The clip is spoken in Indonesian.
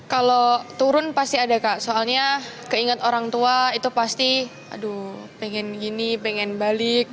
kalau turun pasti ada kak soalnya keinget orang tua itu pasti aduh pengen gini pengen balik